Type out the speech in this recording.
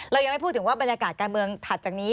เรายังไม่พูดถึงว่าบรรยากาศการเมืองถัดจากนี้